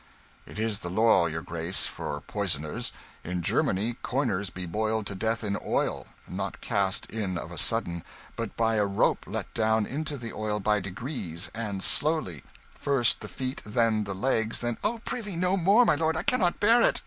"It is the law, your Grace for poisoners. In Germany coiners be boiled to death in oil not cast in of a sudden, but by a rope let down into the oil by degrees, and slowly; first the feet, then the legs, then " "O prithee no more, my lord, I cannot bear it!"